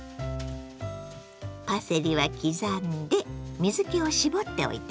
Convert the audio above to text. パセリは刻んで水けを絞っておいてね。